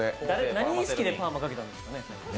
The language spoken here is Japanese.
何が好きでパーマかけたんですかね。